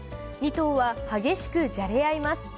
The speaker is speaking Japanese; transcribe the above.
２頭は激しくじゃれ合います。